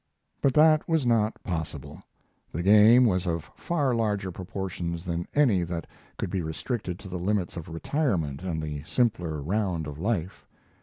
But that was not possible. The game was of far larger proportions than any that could be restricted to the limits of retirement and the simpler round of life.